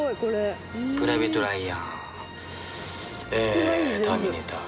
「プライベート・ライアン」「ターミネーター」。